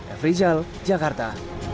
efri jal jakarta